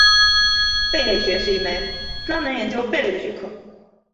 贝类学是一门专门研究贝类的学科。